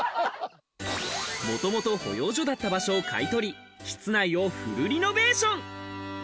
もともと保養所だった場所を買い取り、室内をフルリノベーション。